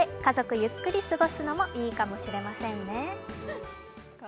ゆっくり過ごすのもいいかもしれませんね。